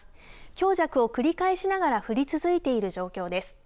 強弱を繰り返しながら降り続いている状況です。